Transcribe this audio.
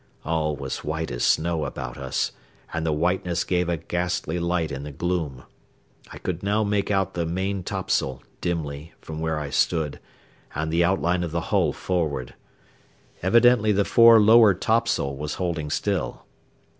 All was white as snow about us, and the whiteness gave a ghastly light in the gloom. I could now make out the maintopsail, dimly, from where I stood, and the outline of the hull forward. Evidently the fore lower topsail was holding still.